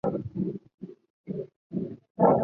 后来该路又向北延长至北京二环路东便门桥南侧。